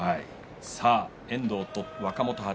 遠藤と若元春。